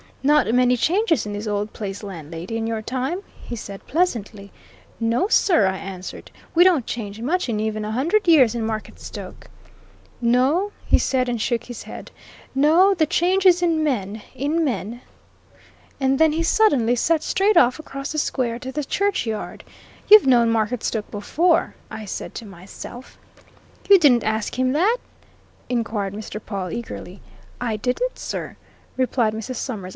'Not many changes in this old place, landlady, in your time?' he said pleasantly. 'No, sir,' I answered. 'We don't change much in even a hundred years in Marketstoke.' 'No!' he said, and shook his head. 'No the change is in men, in men!' And then he suddenly set straight off across the square to the churchyard. 'You've known Marketstoke before,' I said to myself." "You didn't ask him that?" inquired Mr. Pawle, eagerly. "I didn't, sir," replied Mrs. Summers.